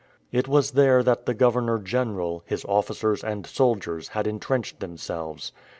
It was there that the Governor General, his officers, and soldiers had entrenched themselves.